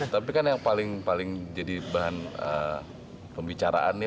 tapi kan yang paling jadi bahan pembicaraan nih